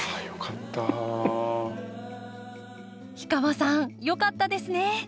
氷川さんよかったですね！